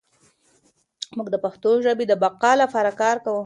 موږ د پښتو ژبې د بقا لپاره کار کوو.